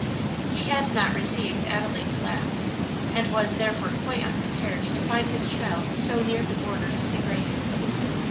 He had not received Adelaide's last, and was therefore quite unprepared to find his child so near the borders of the grave.